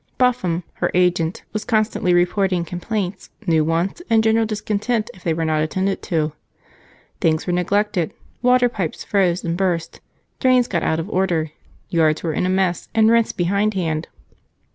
Buffum, her agent, was constantly reporting complaints, new wants, and general discontent if they were not attended to. Things were very neglected, water pipes froze and burst, drains got out of order, yards were in a mess, and rents behind hand.